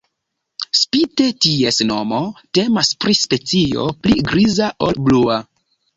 Spite ties nomo, temas pri specio pli griza ol blua.